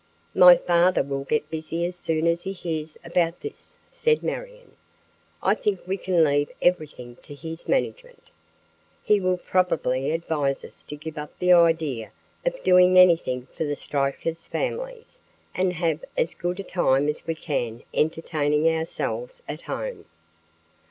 "My father will get busy as soon as he hears about this," said Marion. "I think we can leave everything to his management. He will probably advise us to give up the idea of doing anything for the strikers' families and have as good a time as we can entertaining ourselves at home."